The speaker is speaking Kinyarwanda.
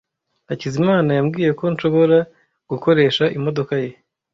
Hakizimana yambwiye ko nshobora gukoresha imodoka ye.